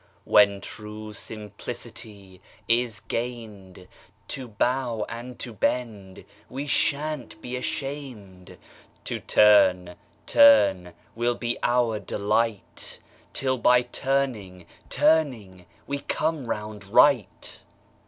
When true simplicity is gain'd, To bow and to bend we shan't be asham'd, To turn, turn will be our delight 'Till by turning, turning we come round right.